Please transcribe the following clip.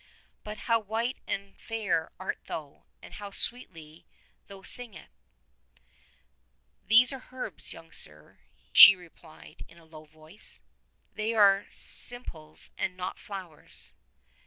"But how white and fair thou art! and how sweetly thou singest I" "These are herbs, young sir," she replied in a low voice. 97 'They are simples and not flowers.